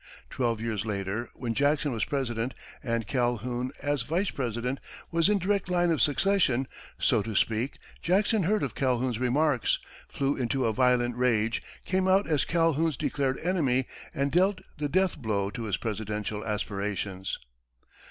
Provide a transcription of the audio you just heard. Twelve years later, when Jackson was President and Calhoun, as Vice President, was in direct line of succession, so to speak, Jackson heard of Calhoun's remarks, flew into a violent rage, came out as Calhoun's declared enemy, and dealt the death blow to his presidential aspirations.